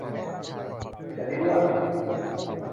ฉันไม่อ้วน